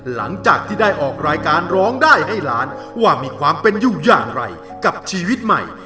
หลังจากที่ได้ออกรายการร้องได้ให้ล้านว่ามีความเป็นอยู่อย่างไรกับชีวิตใหม่